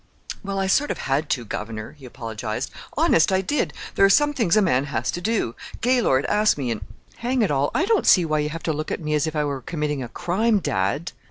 "Well, I sort of had to, governor," he apologized. "Honest, I did. There are some things a man has to do! Gaylord asked me, and—Hang it all, I don't see why you have to look at me as if I were committing a crime, dad!"